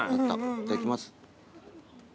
いただきます。